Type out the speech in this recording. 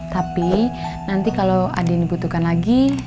tapi nanti kalau ada yang dibutuhkan lagi